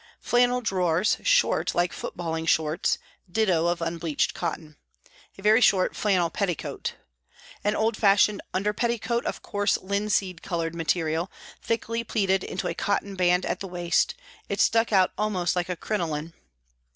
Flannel drawers, short like footballing " shorts," ditto of unbleached cotton. A very short flannel petticoat. 79 An old fashioned under petticoat of coarse, linseed coloured material, thickly pleated into a cotton band at the waist it stuck out almost like a crinoline.